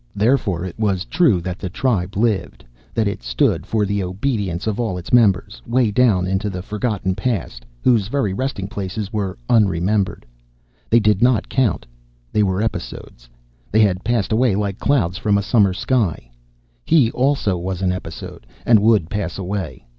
Therefore it was true that the tribe lived, that it stood for the obedience of all its members, way down into the forgotten past, whose very resting places were unremembered. They did not count; they were episodes. They had passed away like clouds from a summer sky. He also was an episode, and would pass away.